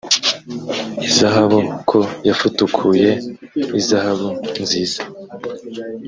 izahabu ko yafutukuye izahabu nziza